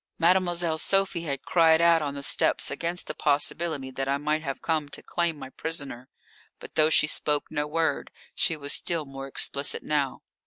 Mademoiselle Sophie had cried out on the steps against the possibility that I might have come to claim my prisoner. But though she spoke no word, she was still more explicit now.